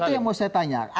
itu yang mau saya tanya